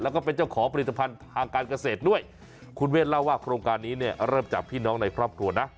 แล้วก็เป็นเจ้าของผลิตภัณฑ์ทางการเกษตรด้วยคุณเวทเล่าว่าโครงการนี้เนี่ยเริ่มจากพี่น้องในครอบครัวนะ